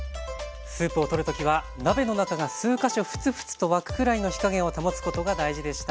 スープをとる時は鍋の中が数か所フツフツと沸くくらいの火加減を保つことが大事でした。